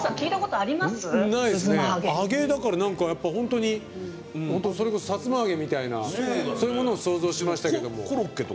「あげ」だから本当にそれこそさつま揚げみたいなそういうものを想像しましたけども。